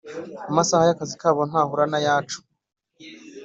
Amasaha y akazi kabo ntahura nayacu